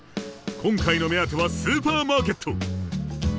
今回の目当てはスーパーマーケット！